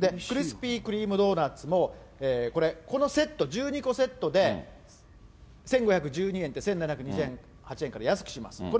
で、クリスピークリームドーナツもこれ、このセット、１２個セットで１５１２円って、１７２８円から安くします。